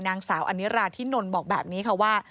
นางสาวอนิราธินนท์บอกแบบนี้ค่ะว่า